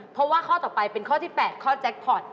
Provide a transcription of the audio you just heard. เพราะว่าข้อต่อไปเป็นข้อที่๘ข้อแจ็คพอร์ต